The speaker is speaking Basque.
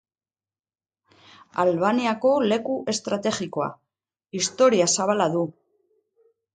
Albaniako leku estrategikoa, historia zabala du.